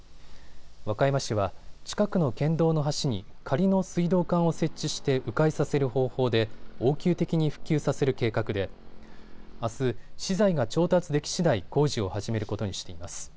和歌山市は近くの県道の橋に仮の水道管を設置してう回させる方法で応急的に復旧させる計画であす、資材が調達できしだい工事を始めることにしています。